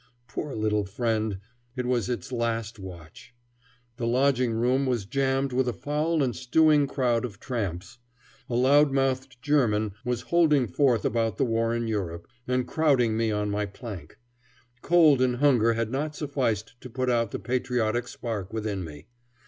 Poor little friend! It was its last watch. The lodging room was jammed with a foul and stewing crowd of tramps. A loud mouthed German was holding forth about the war in Europe, and crowding me on my plank. Cold and hunger had not sufficed to put out the patriotic spark within me.